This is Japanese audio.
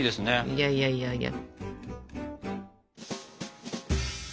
いやいやいやいや。